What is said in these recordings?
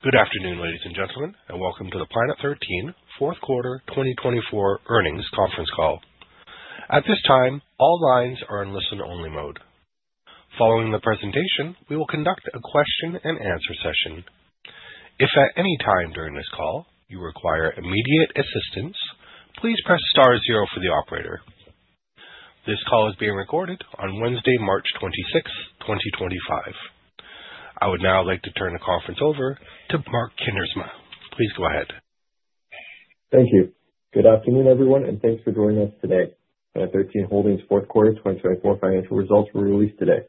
Good afternoon, ladies and gentlemen, and welcome to the Planet 13 Fourth Quarter 2024 Earnings Conference Call. At this time, all lines are in listen-only mode. Following the presentation, we will conduct a question-and-answer session. If at any time during this call you require immediate assistance, please press star zero for the operator. This call is being recorded on Wednesday, March 26, 2025. I would now like to turn the conference over to Mark Kuindersma. Please go ahead. Thank you. Good afternoon, everyone, and thanks for joining us today. Planet 13 Holdings fourth quarter 2024 financial results were released today.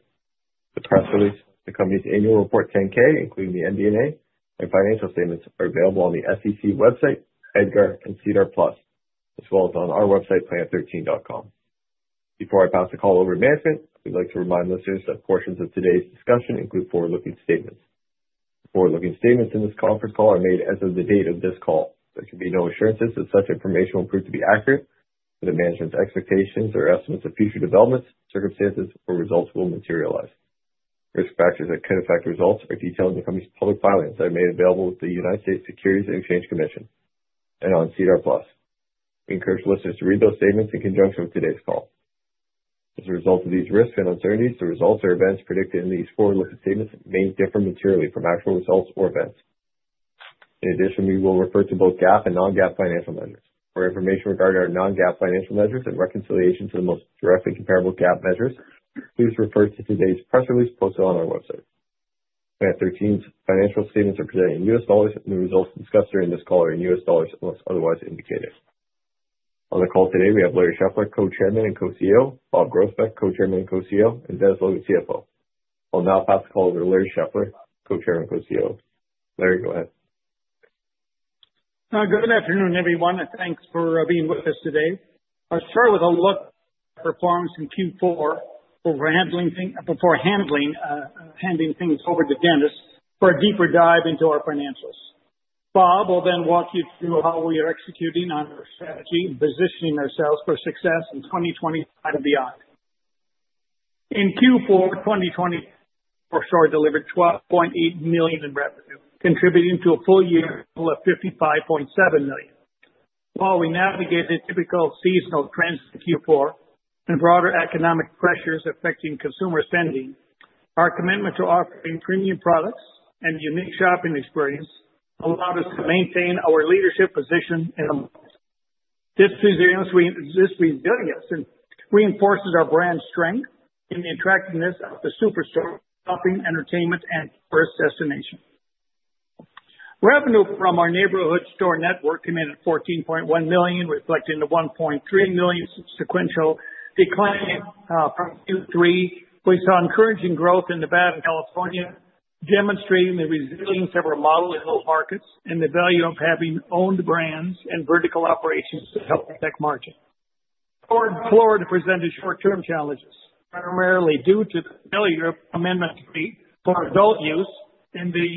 The press release, the company's annual report 10-K, including the MD&A and financial statements, are available on the SEC website, EDGAR, and SEDAR+, as well as on our website, planet13.com. Before I pass the call over to management, we'd like to remind listeners that portions of today's discussion include forward-looking statements. Forward-looking statements in this conference call are made as of the date of this call. There can be no assurances that such information will prove to be accurate or that management's expectations or estimates of future developments, circumstances, or results will materialize. Risk factors that could affect results are detailed in the company's public filings that are made available with the United States Securities and Exchange Commission and on SEDAR+. We encourage listeners to read those statements in conjunction with today's call. As a result of these risks and uncertainties, the results or events predicted in these forward-looking statements may differ materially from actual results or events. In addition, we will refer to both GAAP and non-GAAP financial measures. For information regarding our non-GAAP financial measures and reconciliation to the most directly comparable GAAP measures, please refer to today's press release posted on our website. Planet 13's financial statements are presented in U.S. dollars, and the results discussed during this call are in U.S. dollars unless otherwise indicated. On the call today, we have Larry Scheffler, Co-Chairman and Co-CEO; Bob Groesbeck, Co-Chairman and Co-CEO; and Dennis Logan, CFO. I'll now pass the call over to Larry Scheffler, Co-Chairman and Co-CEO. Larry, go ahead. Good afternoon, everyone, and thanks for being with us today. I'll start with a look at performance in Q4 before handing things over to Dennis for a deeper dive into our financials. Bob will then walk you through how we are executing on our strategy and positioning ourselves for success in 2025 and beyond. In Q4 2024, Planet 13 delivered $12.8 million in revenue, contributing to a full year of $55.7 million. While we navigated typical seasonal trends in Q4 and broader economic pressures affecting consumer spending, our commitment to offering premium products and a unique shopping experience allowed us to maintain our leadership position in the market. This resilience reinforces our brand strength in the attractiveness of the SuperStore shopping entertainment and tourist destination. Revenue from our neighborhood store network came in at $14.1 million, reflecting the $1.3 million sequential decline from Q3. We saw encouraging growth in Nevada and California, demonstrating the resilience of our model in those markets and the value of having owned brands and vertical operations to help protect margins. Florida presented short-term challenges, primarily due to the failure of Amendment 3 for adult use and the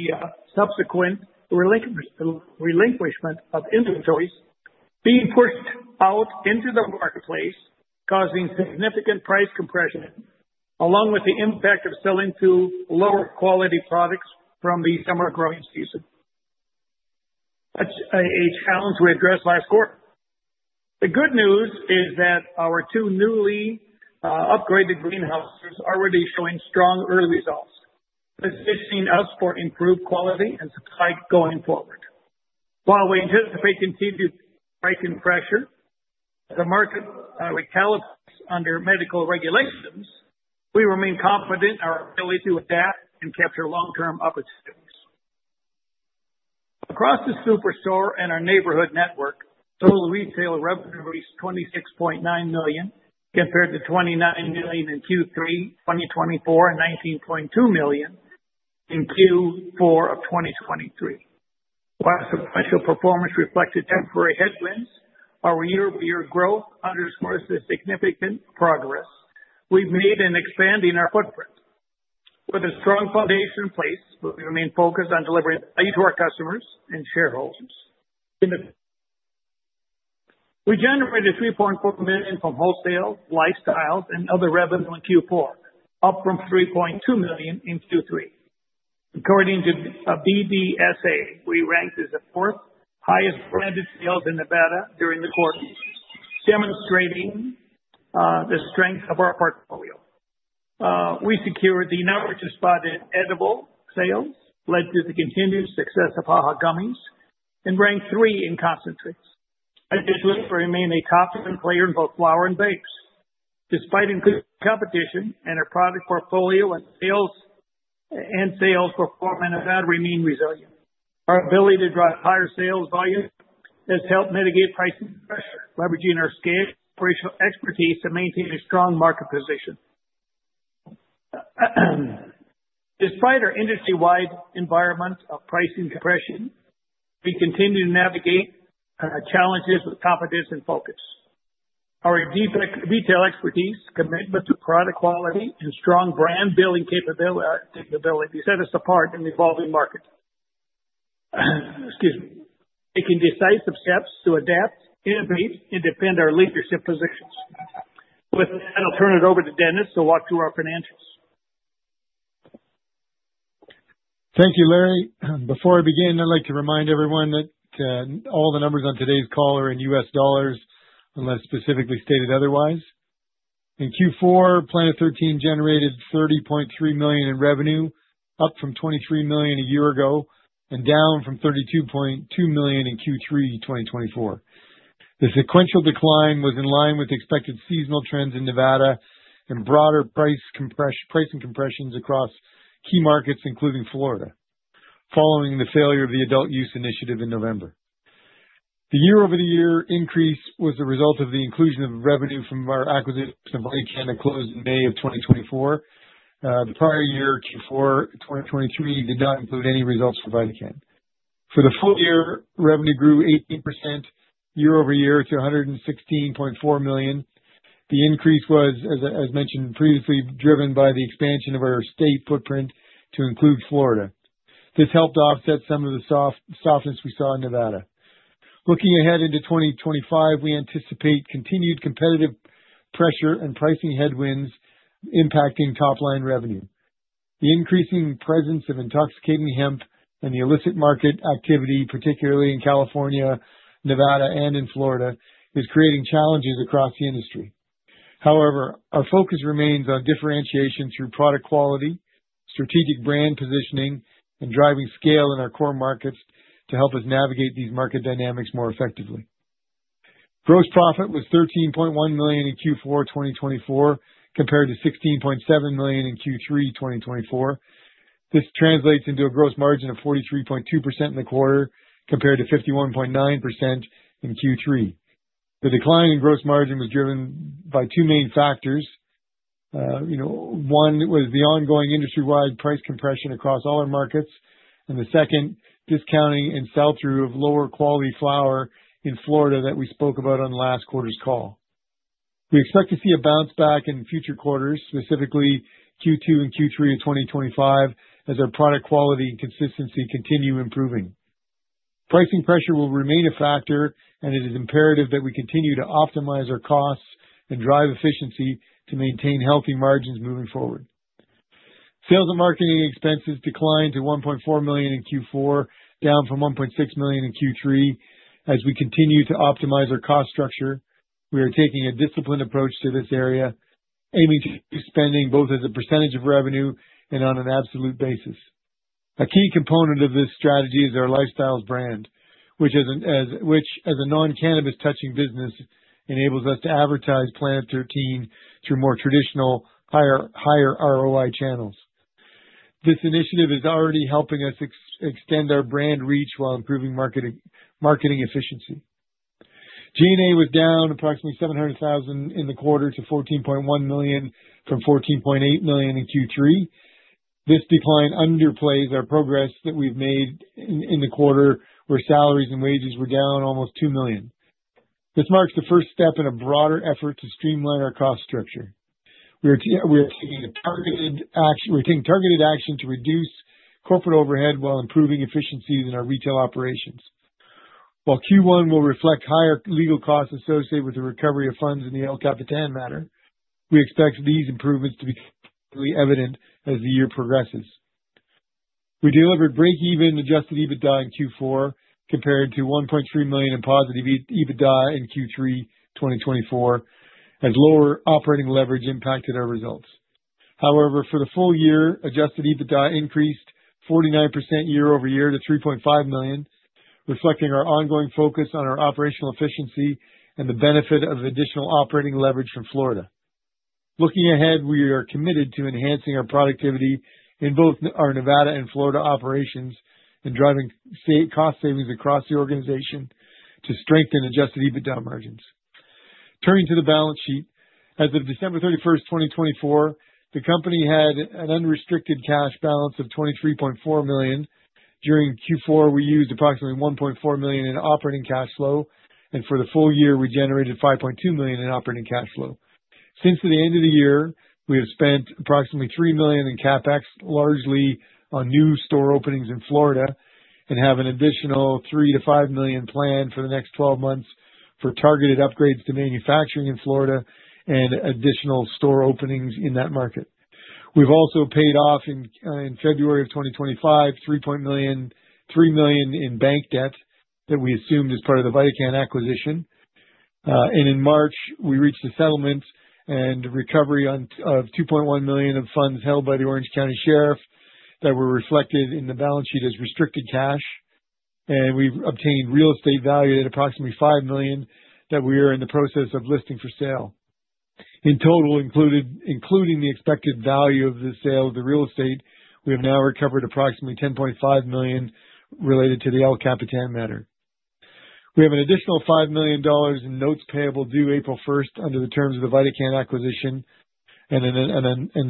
subsequent relinquishment of inventories being pushed out into the marketplace, causing significant price compression, along with the impact of selling lower quality products from the summer growing season. Such a challenge we addressed last quarter. The good news is that our two newly upgraded greenhouses are already showing strong early results, positioning us for improved quality and supply going forward. While we anticipate continued price compression as the market recalibrates under medical regulations, we remain confident in our ability to adapt and capture long-term opportunities. Across the SuperStore and our neighborhood store network, total retail revenue reached $26.9 million compared to $29 million in Q3 2024 and $19.2 million in Q4 of 2023. While substantial performance reflected temporary headwinds, our year-over-year growth underscores the significant progress we've made in expanding our footprint. With a strong foundation in place, we remain focused on delivering value to our customers and shareholders. We generated $3.4 million from wholesale, Lifestyles, and other revenues in Q4, up from $3.2 million in Q3. According to BDSA, we ranked as the fourth highest-branded sales in Nevada during the quarter, demonstrating the strength of our portfolio. We secured the number two spot in edible sales, led by the continued success of HaHa Gummies, and ranked three in concentrates. Additionally, we remain a top-tier player in both flower and vapes. Despite increased competition, our product portfolio and sales performance in Nevada remain resilient. Our ability to drive higher sales volume has helped mitigate pricing pressure, leveraging our scaled operational expertise to maintain a strong market position. Despite our industry-wide environment of pricing compression, we continue to navigate challenges with confidence and focus. Our retail expertise, commitment to product quality, and strong brand-building capability set us apart in the evolving market, taking decisive steps to adapt, innovate, and defend our leadership positions. With that, I'll turn it over to Dennis to walk through our financials. Thank you, Larry. Before I begin, I'd like to remind everyone that all the numbers on today's call are in U.S. dollars unless specifically stated otherwise. In Q4, Planet 13 generated $30.3 million in revenue, up from $23 million a year ago and down from $32.2 million in Q3 2024. The sequential decline was in line with expected seasonal trends in Nevada and broader pricing compressions across key markets, including Florida, following the failure of the adult use initiative in November. The year-over-year increase was the result of the inclusion of revenue from our acquisition of VidaCann that closed in May of 2024. The prior year, Q4 2023, did not include any results for VidaCann. For the full year, revenue grew 18% year-over-year to $116.4 million. The increase was, as mentioned previously, driven by the expansion of our state footprint to include Florida. This helped offset some of the softness we saw in Nevada. Looking ahead into 2025, we anticipate continued competitive pressure and pricing headwinds impacting top-line revenue. The increasing presence of intoxicating hemp and the illicit market activity, particularly in California, Nevada, and in Florida, is creating challenges across the industry. However, our focus remains on differentiation through product quality, strategic brand positioning, and driving scale in our core markets to help us navigate these market dynamics more effectively. Gross profit was $13.1 million in Q4 2024 compared to $16.7 million in Q3 2024. This translates into a gross margin of 43.2% in the quarter compared to 51.9% in Q3. The decline in gross margin was driven by two main factors. One was the ongoing industry-wide price compression across all our markets, and the second, discounting and sell-through of lower quality flower in Florida that we spoke about on last quarter's call. We expect to see a bounce back in future quarters, specifically Q2 and Q3 of 2025, as our product quality and consistency continue improving. Pricing pressure will remain a factor, and it is imperative that we continue to optimize our costs and drive efficiency to maintain healthy margins moving forward. Sales and marketing expenses declined to $1.4 million in Q4, down from $1.6 million in Q3. As we continue to optimize our cost structure, we are taking a disciplined approach to this area, aiming to spend both as a percentage of revenue and on an absolute basis. A key component of this strategy is our Lifestyles brand, which, as a non-cannabis-touching business, enables us to advertise Planet 13 through more traditional, higher ROI channels. This initiative is already helping us extend our brand reach while improving marketing efficiency. G&A was down approximately $700,000 in the quarter to $14.1 million from $14.8 million in Q3. This decline underplays our progress that we've made in the quarter where salaries and wages were down almost $2 million. This marks the first step in a broader effort to streamline our cost structure. We are taking targeted action to reduce corporate overhead while improving efficiencies in our retail operations. While Q1 will reflect higher legal costs associated with the recovery of funds in the El Capitan matter, we expect these improvements to be clearly evident as the year progresses. We delivered break-even adjusted EBITDA in Q4 compared to $1.3 million in positive EBITDA in Q3 2024, as lower operating leverage impacted our results. However, for the full year, adjusted EBITDA increased 49% year-over-year to $3.5 million, reflecting our ongoing focus on our operational efficiency and the benefit of additional operating leverage from Florida. Looking ahead, we are committed to enhancing our productivity in both our Nevada and Florida operations and driving cost savings across the organization to strengthen adjusted EBITDA margins. Turning to the balance sheet, as of December 31, 2024, the company had an unrestricted cash balance of $23.4 million. During Q4, we used approximately $1.4 million in operating cash flow, and for the full year, we generated $5.2 million in operating cash flow. Since the end of the year, we have spent approximately $3 million in CAPEX, largely on new store openings in Florida, and have an additional $3 million-$5 million planned for the next 12 months for targeted upgrades to manufacturing in Florida and additional store openings in that market. We have also paid off in February 2025 $3 million in bank debt that we assumed as part of the VidaCann acquisition. In March, we reached a settlement and recovery of $2.1 million of funds held by the Orange County Sheriff that were reflected in the balance sheet as restricted cash. We have obtained real estate valued at approximately $5 million that we are in the process of listing for sale. In total, including the expected value of the sale of the real estate, we have now recovered approximately $10.5 million related to the El Capitan matter. We have an additional $5 million in notes payable due April 1 under the terms of the VidaCann acquisition and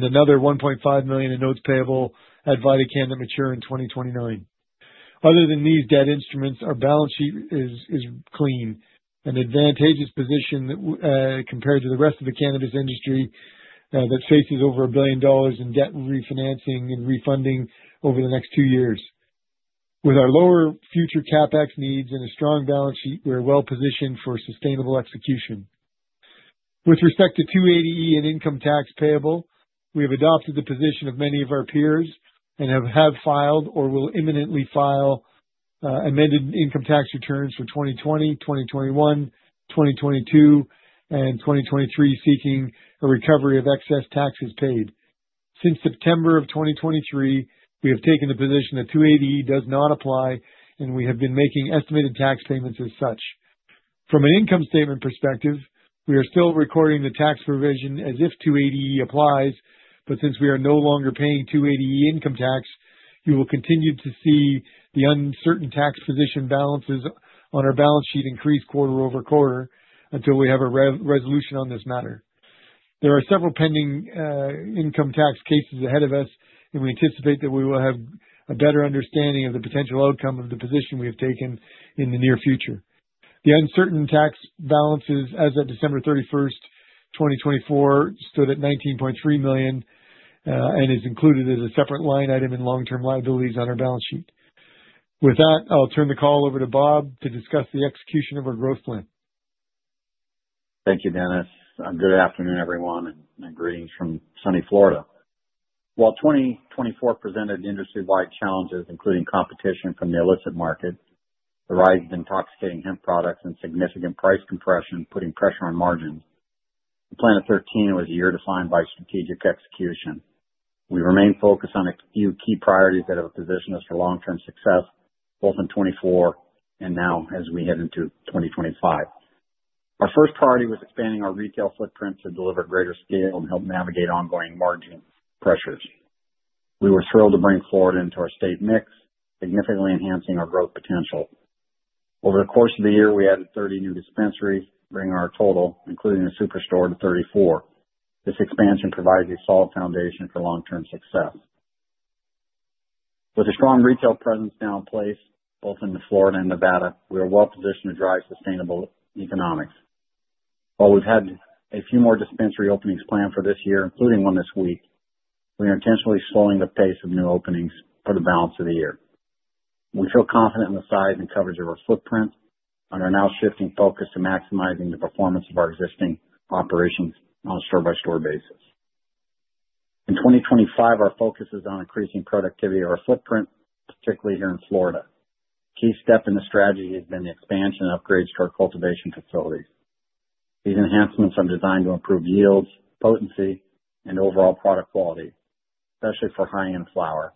another $1.5 million in notes payable at VidaCann that mature in 2029. Other than these debt instruments, our balance sheet is clean, an advantageous position compared to the rest of the cannabis industry that faces over a billion dollars in debt refinancing and refunding over the next two years. With our lower future CAPEX needs and a strong balance sheet, we are well positioned for sustainable execution. With respect to 280E and income tax payable, we have adopted the position of many of our peers and have filed or will imminently file amended income tax returns for 2020, 2021, 2022, and 2023, seeking a recovery of excess taxes paid. Since September of 2023, we have taken the position that 280E does not apply, and we have been making estimated tax payments as such. From an income statement perspective, we are still recording the tax provision as if 280E applies, but since we are no longer paying 280E income tax, we will continue to see the uncertain tax position balances on our balance sheet increase quarter-over-quarter until we have a resolution on this matter. There are several pending income tax cases ahead of us, and we anticipate that we will have a better understanding of the potential outcome of the position we have taken in the near future. The uncertain tax balances as of December 31st, 2024, stood at $19.3 million and is included as a separate line item in long-term liabilities on our balance sheet. With that, I'll turn the call over to Bob to discuss the execution of our growth plan. Thank you, Dennis. Good afternoon, everyone, and greetings from Sunny Florida. While 2024 presented industry-wide challenges, including competition from the illicit market, the rise of intoxicating hemp products, and significant price compression putting pressure on margins, for Planet 13, it was a year defined by strategic execution. We remain focused on a few key priorities that have positioned us for long-term success, both in 2024 and now as we head into 2025. Our first priority was expanding our retail footprint to deliver greater scale and help navigate ongoing margin pressures. We were thrilled to bring Florida into our state mix, significantly enhancing our growth potential. Over the course of the year, we added 30 new dispensaries, bringing our total, including the SuperStore, to 34. This expansion provides a solid foundation for long-term success. With a strong retail presence now in place, both in Florida and Nevada, we are well positioned to drive sustainable economics. While we've had a few more dispensary openings planned for this year, including one this week, we are intentionally slowing the pace of new openings for the balance of the year. We feel confident in the size and coverage of our footprint and are now shifting focus to maximizing the performance of our existing operations on a store-by-store basis. In 2025, our focus is on increasing productivity of our footprint, particularly here in Florida. A key step in the strategy has been the expansion and upgrades to our cultivation facilities. These enhancements are designed to improve yields, potency, and overall product quality, especially for high-end flower,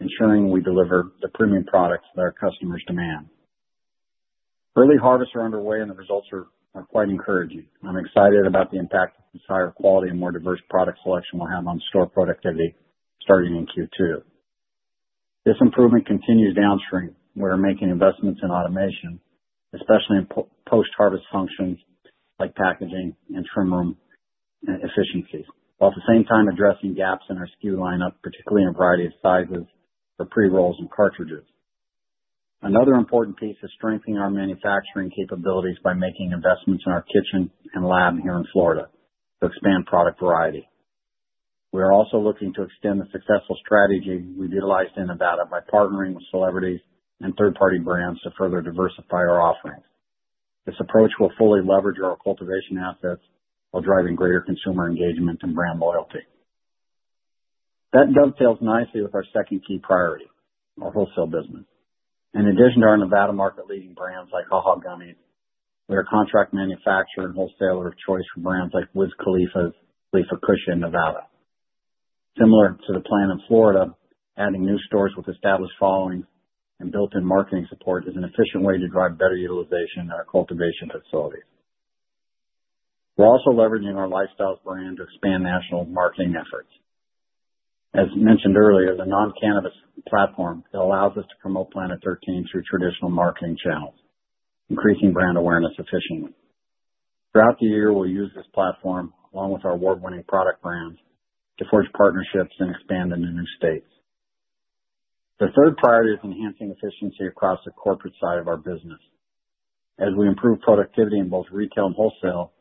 ensuring we deliver the premium products that our customers demand. Early harvests are underway, and the results are quite encouraging. I'm excited about the impact of this higher quality and more diverse product selection we'll have on store productivity starting in Q2. This improvement continues downstream. We are making investments in automation, especially in post-harvest functions like packaging and trim room efficiencies, while at the same time addressing gaps in our SKU lineup, particularly in a variety of sizes for pre-rolls and cartridges. Another important piece is strengthening our manufacturing capabilities by making investments in our kitchen and lab here in Florida to expand product variety. We are also looking to extend the successful strategy we've utilized in Nevada by partnering with celebrities and third-party brands to further diversify our offerings. This approach will fully leverage our cultivation assets while driving greater consumer engagement and brand loyalty. That dovetails nicely with our second key priority, our wholesale business. In addition to our Nevada market-leading brands like HaHa Gummies, we are a contract manufacturer and wholesaler of choice for brands like Wiz Khalifa's Khalifa Kush in Nevada. Similar to the plan in Florida, adding new stores with established followings and built-in marketing support is an efficient way to drive better utilization in our cultivation facilities. We're also leveraging our Lifestyles brand to expand national marketing efforts. As mentioned earlier, the non-cannabis platform allows us to promote Planet 13 through traditional marketing channels, increasing brand awareness efficiently. Throughout the year, we'll use this platform along with our award-winning product brands to forge partnerships and expand into new states. The third priority is enhancing efficiency across the corporate side of our business. As we improve productivity in both retail and wholesale,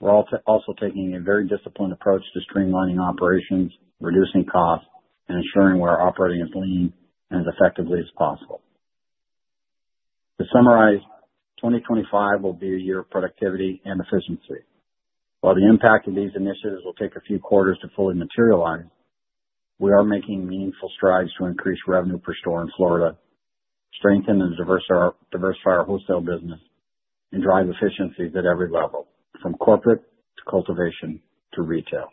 we're also taking a very disciplined approach to streamlining operations, reducing costs, and ensuring we're operating as lean and as effectively as possible. To summarize, 2025 will be a year of productivity and efficiency. While the impact of these initiatives will take a few quarters to fully materialize, we are making meaningful strides to increase revenue per store in Florida, strengthen and diversify our wholesale business, and drive efficiencies at every level, from corporate to cultivation to retail.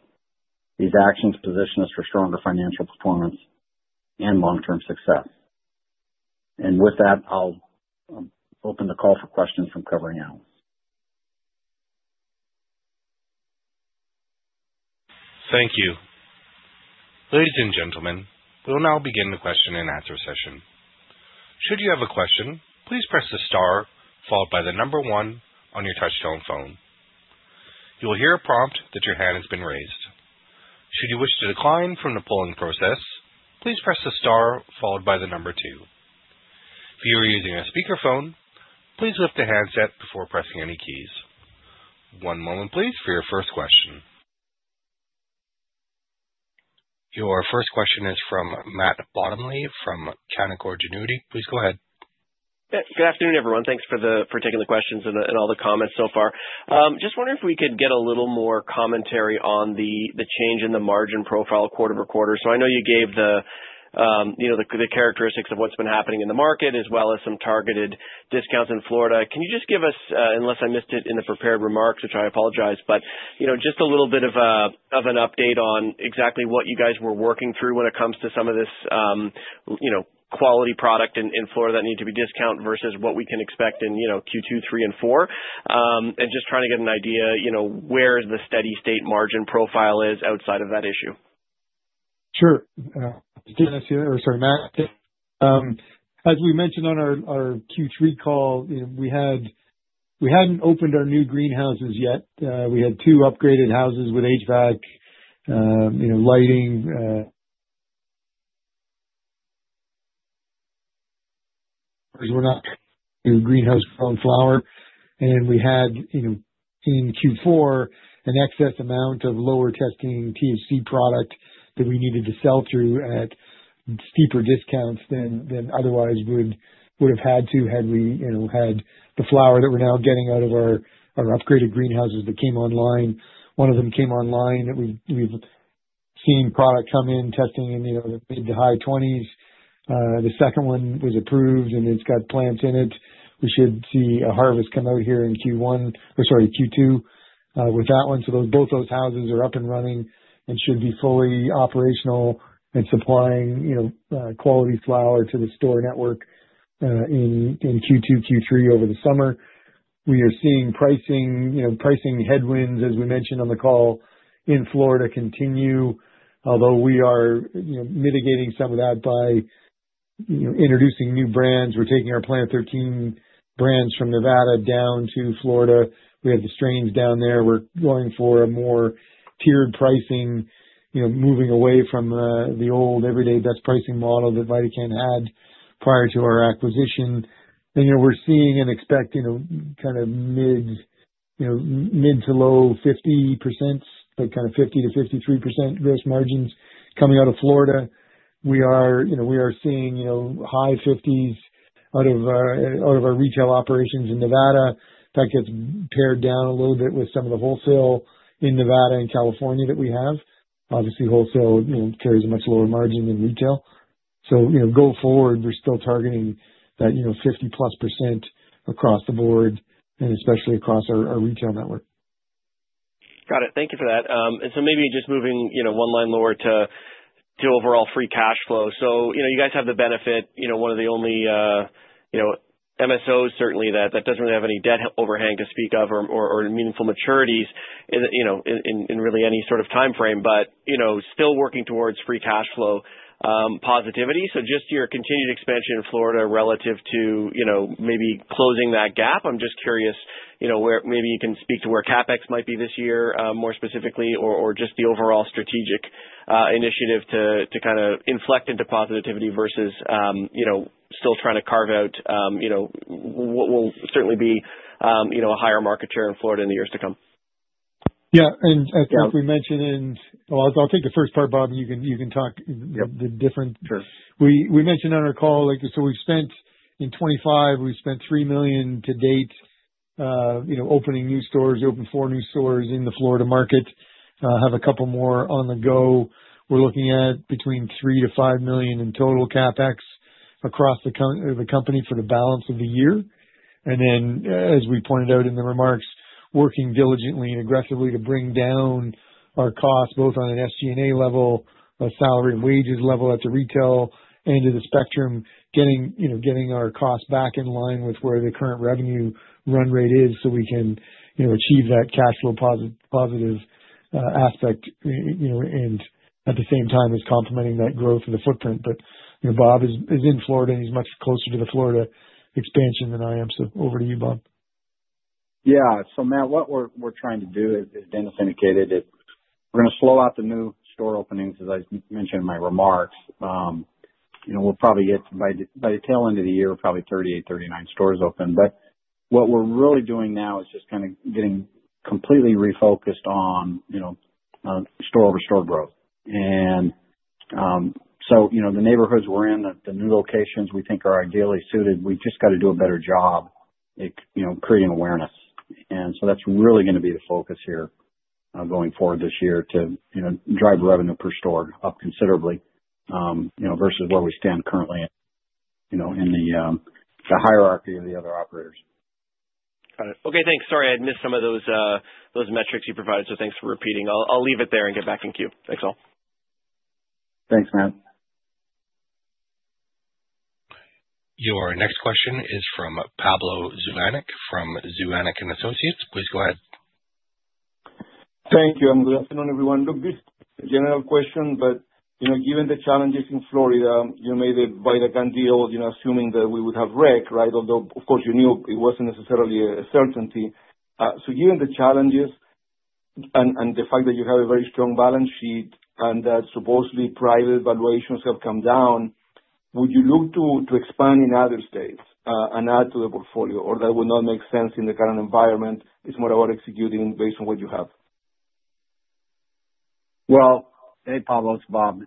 These actions position us for stronger financial performance and long-term success. With that, I'll open the call for questions from covering analysts. Thank you. Ladies and gentlemen, we'll now begin the question and answer session. Should you have a question, please press the star followed by the number one on your touch-tone phone. You will hear a prompt that your hand has been raised. Should you wish to decline from the polling process, please press the star followed by the number two. If you are using a speakerphone, please lift the handset before pressing any keys. One moment, please, for your first question. Your first question is from Matt Bottomley from Canaccord Genuity. Please go ahead. Good afternoon, everyone. Thanks for taking the questions and all the comments so far. Just wondering if we could get a little more commentary on the change in the margin profile quarter to quarter. I know you gave the characteristics of what's been happening in the market, as well as some targeted discounts in Florida. Can you just give us, unless I missed it in the prepared remarks, which I apologize, but just a little bit of an update on exactly what you guys were working through when it comes to some of this quality product in Florida that needed to be discounted versus what we can expect in Q2, 3, and 4? Just trying to get an idea where the steady-state margin profile is outside of that issue. Sure. Dennis here. Or sorry, Matt. As we mentioned on our Q3 call, we hadn't opened our new greenhouses yet. We had two upgraded houses with HVAC, lighting. We're not doing greenhouse-grown flour. In Q4, we had an excess amount of lower testing THC product that we needed to sell through at steeper discounts than otherwise would have had to had we had the flour that we're now getting out of our upgraded greenhouses that came online. One of them came online that we've seen product come in, testing in the mid to high 20s. The second one was approved, and it's got plants in it. We should see a harvest come out here in Q1 or sorry, Q2 with that one. Both those houses are up and running and should be fully operational and supplying quality flour to the store network in Q2, Q3 over the summer. We are seeing pricing headwinds, as we mentioned on the call, in Florida continue, although we are mitigating some of that by introducing new brands. We're taking our Planet 13 brands from Nevada down to Florida. We have the strains down there. We're going for a more tiered pricing, moving away from the old everyday best pricing model that VidaCann had prior to our acquisition. We're seeing and expecting kind of mid to low 50%, kind of 50-53% gross margins coming out of Florida. We are seeing high 50s out of our retail operations in Nevada. That gets pared down a little bit with some of the wholesale in Nevada and California that we have. Obviously, wholesale carries a much lower margin than retail. Go forward, we're still targeting that 50+% across the board and especially across our retail network. Got it. Thank you for that. Maybe just moving one line lower to overall free cash flow. You guys have the benefit, one of the only MSOs, certainly, that does not really have any debt overhang to speak of or meaningful maturities in really any sort of time frame, but still working towards free cash flow positivity. Just your continued expansion in Florida relative to maybe closing that gap. I am just curious where maybe you can speak to where CAPEX might be this year more specifically or just the overall strategic initiative to kind of inflect into positivity versus still trying to carve out what will certainly be a higher market share in Florida in the years to come. Yeah. I think we mentioned in, I'll take the first part, Bob. You can talk the different. Sure. We mentioned on our call, so we've spent in 2025, we've spent $3 million to date opening new stores, opened four new stores in the Florida market, have a couple more on the go. We're looking at between $3 million-$5 million in total CAPEX across the company for the balance of the year. As we pointed out in the remarks, working diligently and aggressively to bring down our costs, both on an SG&A level, a salary and wages level at the retail end of the spectrum, getting our costs back in line with where the current revenue run rate is so we can achieve that cash flow positive aspect at the same time as complementing that growth of the footprint. Bob is in Florida, and he's much closer to the Florida expansion than I am. Over to you, Bob. Yeah. Matt, what we're trying to do, as Dennis indicated, is we're going to slow out the new store openings as I mentioned in my remarks. We'll probably get, by the tail end of the year, probably 38-39 stores open. What we're really doing now is just kind of getting completely refocused on store-over-store growth. The neighborhoods we're in, the new locations we think are ideally suited, we just got to do a better job creating awareness. That's really going to be the focus here going forward this year to drive revenue per store up considerably versus where we stand currently in the hierarchy of the other operators. Got it. Okay. Thanks. Sorry, I missed some of those metrics you provided, so thanks for repeating. I'll leave it there and get back in queue. Thanks, all. Thanks, Matt. Your next question is from Pablo Zuanic from Zuanic & Associates. Please go ahead. Thank you. Good afternoon, everyone. Look, this is a general question, but given the challenges in Florida, you made a VidaCann deal assuming that we would have wreck, right? Although, of course, you knew it was not necessarily a certainty. Given the challenges and the fact that you have a very strong balance sheet and that supposedly private valuations have come down, would you look to expand in other states and add to the portfolio, or that would not make sense in the current environment? It is more about executing based on what you have? Hey, Pablo, it's Bob.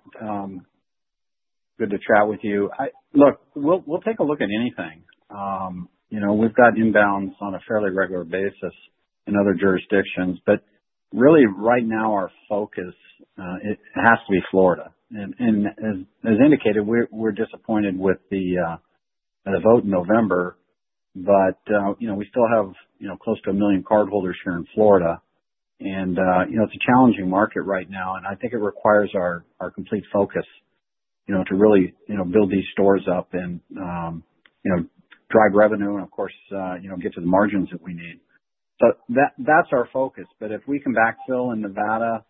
Good to chat with you. Look, we'll take a look at anything. We've got inbounds on a fairly regular basis in other jurisdictions. Really, right now, our focus has to be Florida. As indicated, we're disappointed with the vote in November, but we still have close to a million cardholders here in Florida. It's a challenging market right now, and I think it requires our complete focus to really build these stores up and drive revenue and, of course, get to the margins that we need. That's our focus. If we can backfill in Nevada,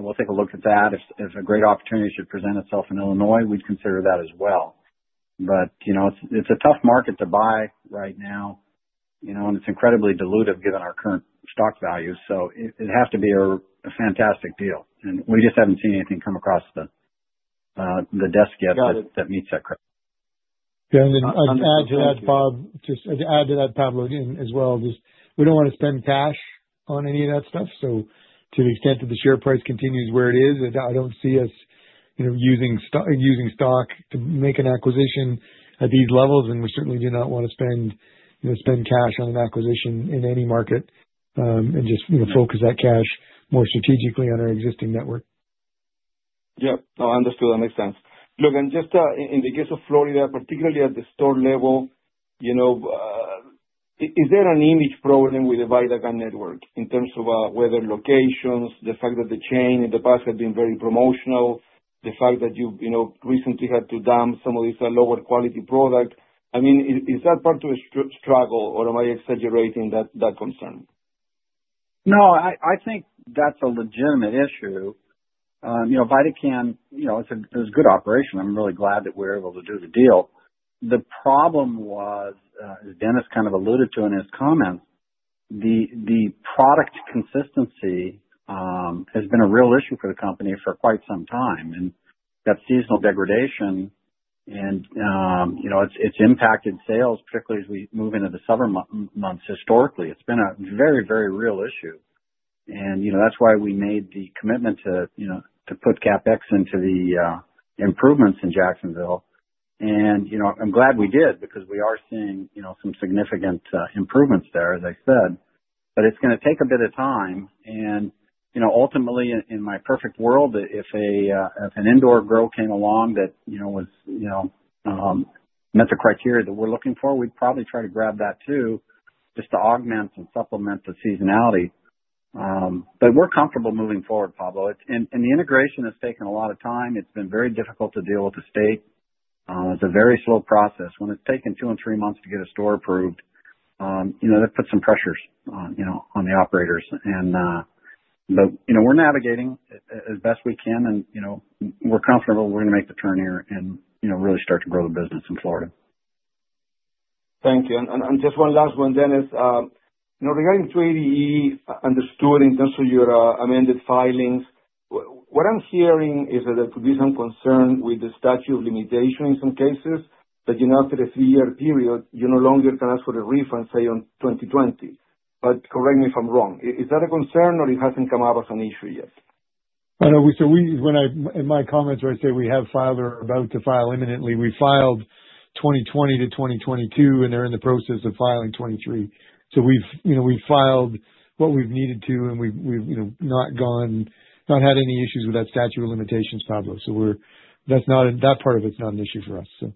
we'll take a look at that. If a great opportunity should present itself in Illinois, we'd consider that as well. It's a tough market to buy right now, and it's incredibly diluted given our current stock value. It has to be a fantastic deal. We just haven't seen anything come across the desk yet that meets that criteria. Yeah. I can add to that, Bob, just add to that, Pablo, as well. We don't want to spend cash on any of that stuff. To the extent that the share price continues where it is, I don't see us using stock to make an acquisition at these levels. We certainly do not want to spend cash on an acquisition in any market and just focus that cash more strategically on our existing network. Yep. No, I understood. That makes sense. Look, and just in the case of Florida, particularly at the store level, is there an image problem with the VidaCann network in terms of whether locations, the fact that the chain in the past had been very promotional, the fact that you recently had to dump some of these lower-quality products? I mean, is that part of a struggle, or am I exaggerating that concern? No, I think that's a legitimate issue. VidaCann, it was a good operation. I'm really glad that we were able to do the deal. The problem was, as Dennis kind of alluded to in his comments, the product consistency has been a real issue for the company for quite some time. That seasonal degradation, and it's impacted sales, particularly as we move into the summer months historically. It's been a very, very real issue. That's why we made the commitment to put CAPEX into the improvements in Jacksonville. I'm glad we did because we are seeing some significant improvements there, as I said. It's going to take a bit of time. Ultimately, in my perfect world, if an indoor grow came along that met the criteria that we're looking for, we'd probably try to grab that too just to augment and supplement the seasonality. We're comfortable moving forward, Pablo. The integration has taken a lot of time. It's been very difficult to deal with the state. It's a very slow process. When it's taken two and three months to get a store approved, that puts some pressures on the operators. We're navigating as best we can, and we're comfortable we're going to make the turn here and really start to grow the business in Florida. Thank you. Just one last one, Dennis. Regarding 280E, understood in terms of your amended filings, what I'm hearing is that there could be some concern with the statute of limitation in some cases that after a three-year period, you no longer can ask for a refund, say, on 2020. Correct me if I'm wrong. Is that a concern, or it hasn't come up as an issue yet? In my comments, I say we have filed or are about to file imminently. We filed 2020 to 2022, and they are in the process of filing 2023. We have filed what we have needed to, and we have not had any issues with that statute of limitations, Pablo. That part of it is not an issue for us.